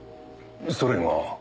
それが？